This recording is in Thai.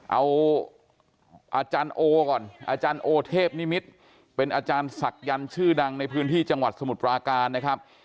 เอาอาจารย์โอก่อนอาจารย์โอเทพนิมิตรเป็นอาจารย์ศักยันต์ชื่อดังในพื้นที่จังหวัดสมุทรปราการนะครับ